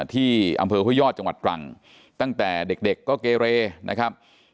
ที่อำเภอห้วยยอดจังหวัดตรังตั้งแต่เด็กก็เกเรนะครับ